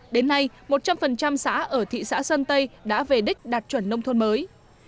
đến nay một trăm linh xã ở thị xã sơn tây đã về đích đạt chuẩn nông thôn mới